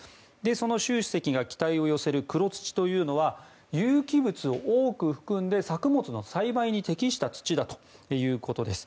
その習主席が期待を寄せる黒土というのは有機物を多く含んで作物の栽培に適した土だということです。